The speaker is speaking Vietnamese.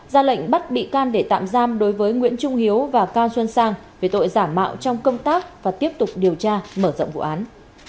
ra lệnh bắt bị can để tạm giam đối với nguyễn trung hiếu và cao xuân sang về tội giả mạo trong công tác và tiếp tục điều tra mở rộng vụ án